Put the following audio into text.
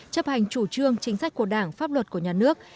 chấp hành chủ trương chính sách của đảng pháp luật của nhà nước